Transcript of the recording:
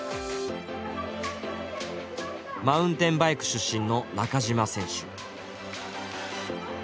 マウンテンバイク出身の中島選手。